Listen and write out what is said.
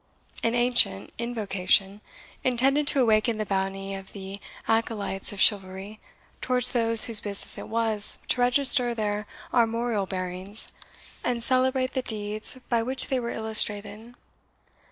an ancient invocation, intended to awaken the bounty of the acolytes of chivalry towards those whose business it was to register their armorial bearings, and celebrate the deeds by which they were illustrated.